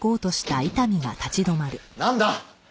なんだ？